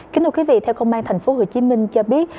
kính thưa quý vị theo công an tp hcm cho biết